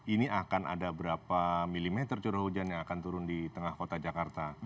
ini akan ada berapa mm curah hujan yang akan turun di tengah kota jakarta